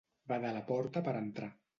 Bada la porta per entrar.